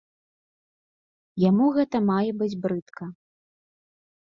Яму гэта мае быць брыдка.